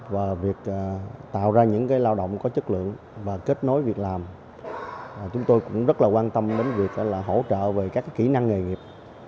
và việc tạo ra những lao động có chất lượng và kết nối việc làm chúng tôi cũng rất là quan tâm đến việc hỗ trợ về các kỹ năng nghề nghiệp